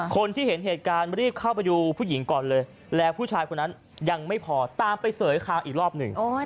คนที่เห็นเหตุการณ์รีบเข้าไปดูผู้หญิงก่อนเลยแล้วผู้ชายคนนั้นยังไม่พอตามไปเสยคางอีกรอบหนึ่ง